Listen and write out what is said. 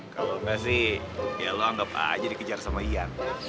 kalau enggak sih ya allah anggap aja dikejar sama iya